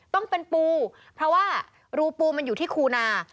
ต้องเป็นปูเพราะว่ารูปูมันอยู่ที่คูนา